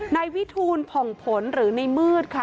นายวิทูลผ่องผลหรือในมืดค่ะ